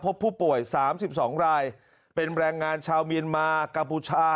พบผู้ป่วย๓๒รายเป็นแรงงานชาวเมียนมากัมพูชา